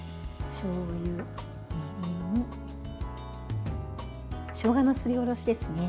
しょうゆ、みりんしょうがのすりおろしですね。